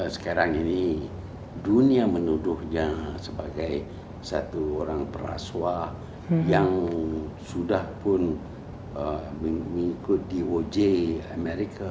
sekarang ini dunia menuduhnya sebagai satu orang perasuah yang sudah pun mengikut doj amerika